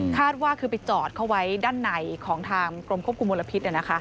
คาดว่าคือไปจอดเข้าไว้ด้านในของทางกรมควบคุมมลพิษ